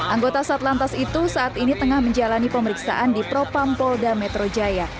anggota satlantas itu saat ini tengah menjalani pemeriksaan di propam polda metro jaya